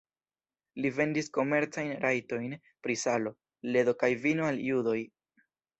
Li vendis komercajn rajtojn pri salo, ledo kaj vino al judoj.